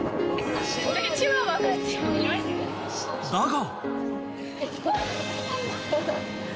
［だが］